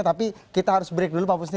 tapi kita harus break dulu pak pusti